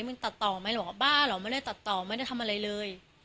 มึงตัดต่อไหมหรอบ้าหรอไม่ได้ตัดต่อไม่ได้ทำอะไรเลย